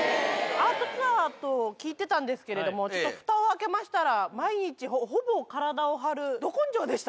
「アートツアー」と聞いてたんですけれどもふたを開けましたら毎日ほぼ体を張る「ど根性」でした。